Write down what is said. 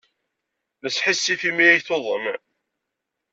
Nesḥissif imi ay tuḍen.